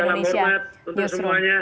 terima kasih salam hormat untuk semuanya